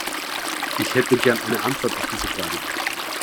Ich hätte gern eine Antwort auf diese Fragen.